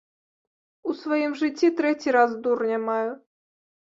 У сваім жыцці трэці раз дурня маю.